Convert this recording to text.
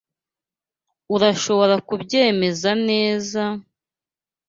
Urashobora kubyemeza neza. .